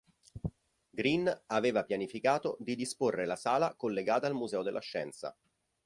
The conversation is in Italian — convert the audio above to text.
Green aveva pianificato di disporre la sala collegata al Museo della Scienza.